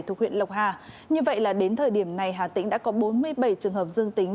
thuộc huyện lộc hà như vậy là đến thời điểm này hà tĩnh đã có bốn mươi bảy trường hợp dương tính